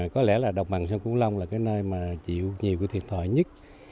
có lẽ là độc bằng sông cung long là nơi chịu nhiều thiệt hại nhất